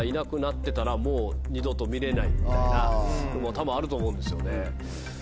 多分あると思うんですよね。